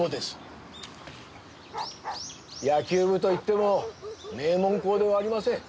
野球部といっても名門校ではありません。